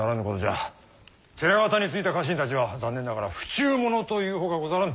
寺方についた家臣たちは残念ながら不忠者というほかござらぬ！